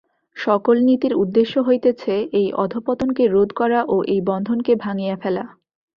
সকল নীতির উদ্দেশ্য হইতেছে এই অধঃপতনকে রোধ করা ও এই বন্ধনকে ভাঙিয়া ফেলা।